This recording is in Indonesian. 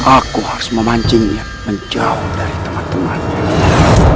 aku harus memancingnya menjauh dari teman teman